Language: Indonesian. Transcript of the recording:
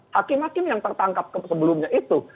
hakim hakim yang tertangkap sebelumnya itu